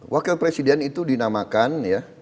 wakil presiden itu dinamakan